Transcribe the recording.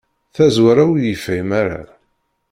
Tazwara ur yefhim ara.